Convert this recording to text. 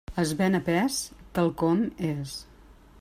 Es ven a pes, quelcom és.